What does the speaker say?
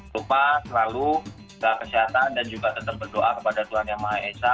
lupa selalu jaga kesehatan dan juga tetap berdoa kepada tuhan yang maha esa